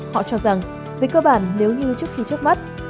họ cho rằng với cơ bản nếu như trước khi chất mắt